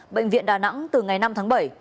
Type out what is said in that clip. bệnh viện đà nẵng từ ngày năm tháng bảy